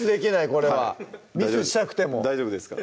これはミスしたくても大丈夫ですか？